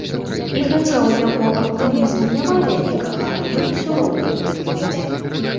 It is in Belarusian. І хаця ў яго аптымізму няма вялікага, ён ўсё роўна туды пойдзе.